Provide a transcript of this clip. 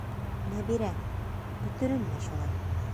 Нәбирә, бөтөрөнмә шулай.